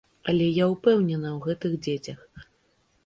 Але я ўпэўнена ў гэтых дзецях.